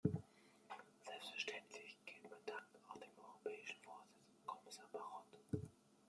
Selbstverständlich gilt mein Dank auch dem europäischen Vorsitz und Kommissar Barrot.